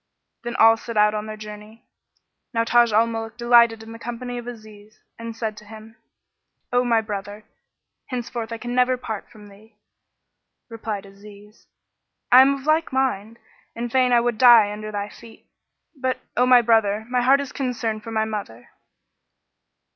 Then all set out on their journey. Now Taj al Muluk delighted in the company of Aziz and said to him, "O my brother, henceforth I can never part from thee." Replied Aziz, "And I am of like mind and fain would I die under thy feet: but, O my brother, my heart is concerned for my mother."